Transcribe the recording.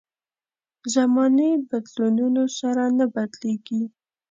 زمانې بدلونونو سره نه بدلېږي.